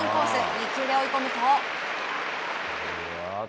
２球で追い込むと。